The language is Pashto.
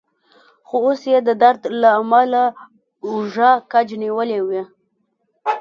خو اوس يې د درد له امله اوږه کج نیولې وه.